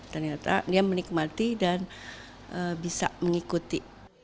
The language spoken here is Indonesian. dan ternyata dia menikmati dan bisa mengikuti